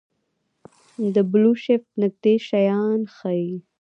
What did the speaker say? د بلوشفټ نږدې شیان ښيي.